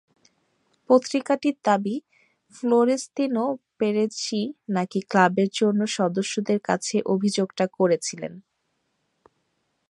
পত্রিকাটির দাবি, ফ্লোরেন্তিনো পেরেজই নাকি ক্লাবের অন্য সদস্যদের কাছে অভিযোগটা করেছিলেন।